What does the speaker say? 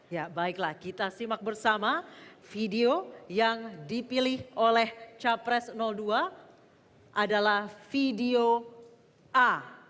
ya baiklah kita simak bersama video yang dipilih oleh capres dua adalah video a